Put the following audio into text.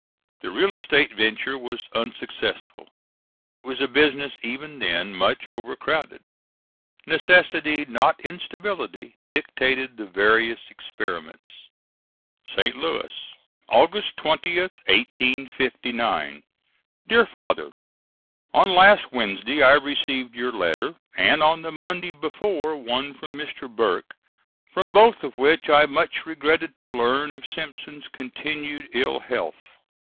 The real estate venture was unsuccessful; it was a business even then much overcrowded. Necessity, not instability, dictated the various experiments.] St. Louis, Aug. 20th, 1859. DEAR FATHER: On last Wednesday I received your letter, and on the Monday before one from Mr. Burk, from both of which I much regretted to learn of Simpson's continued ill health.